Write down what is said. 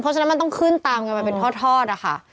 เพราะฉะนั้นมันต้องขึ้นตามกันไปเป็นทอดอะค่ะ